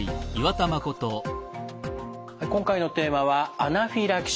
今回のテーマは「アナフィラキシー」。